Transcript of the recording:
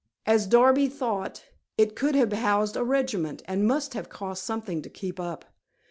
As Darby thought, it could have housed a regiment, and must have cost something to keep up.